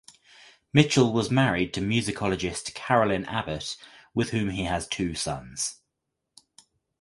Mitchell was married to musicologist Carolyn Abbate with whom he has two sons.